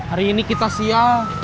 hari ini kita sial